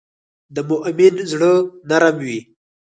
د مؤمن زړه نرم وي.